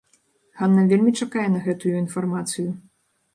Ганна вельмі чакае на гэтую інфармацыю.